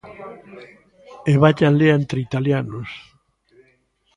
E vaia lea entre italianos.